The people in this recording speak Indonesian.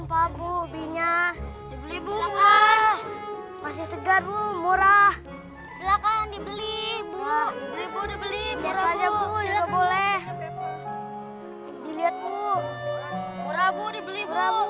di pulceng sini pun saya pakai pktion untuk bayi